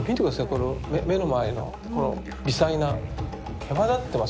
この目の周りのこの微細なけばだってますよ。